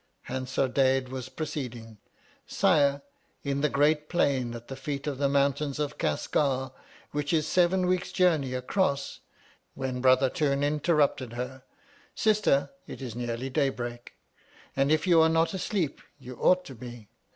Hansardadade was proceeding, Sire, in the great plain at the feet of the mountains of Casgar, which is seven weeks' journey across — when Brothartoon interrupted her : Sister it is nearly daybreak, and if you are not asleep you ought to be.